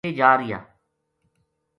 ویہ جا رہیا